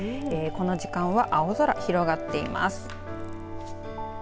この時間は青空広がっています。